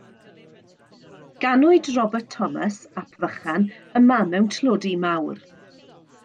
Ganwyd Robert Thomas, Ap Vychan, yma mewn tlodi mawr.